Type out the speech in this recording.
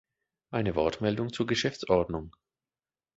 Eine Wortmeldung zur Geschäftsordnung.